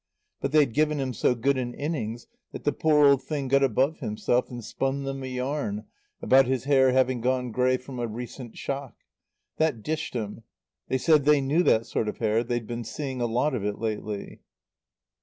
But they'd given him so good an innings that the poor old thing got above himself, and spun them a yarn about his hair having gone grey from a recent shock. That dished him. They said they knew that sort of hair; they'd been seeing a lot of it lately.